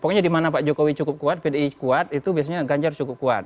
pokoknya dimana pak jokowi cukup kuat pdi kuat itu biasanya ganjar cukup kuat